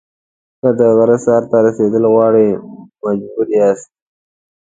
که د غره سر ته رسېدل غواړئ مجبور یاست.